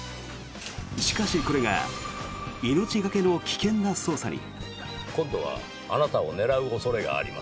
しかしこれが命懸けの危険な捜査に。